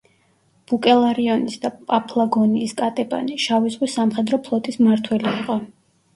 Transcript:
ბუკელარიონის და პაფლაგონიის კატეპანი, შავი ზღვის სამხედრო ფლოტის მმართველი იყო.